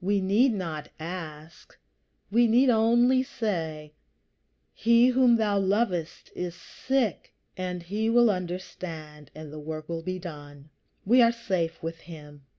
We need not ask, we need only say, "He whom thou lovest is sick," and he will understand, and the work will be done. We are safe with him.